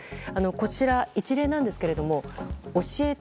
こちらは一例なんですけど「おしえて！